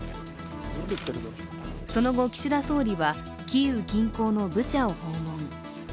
その後、岸田総理はキーウ近郊のブチャを訪問。